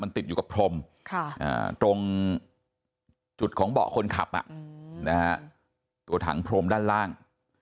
ติดอยู่กับพรมตรงจุดของเบาะคนขับตัวถังพรมด้านล่าง